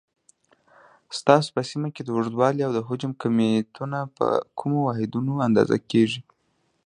ستاسو په سیمه کې د اوږدوالي، او حجم کمیتونه په کومو واحداتو اندازه کېږي؟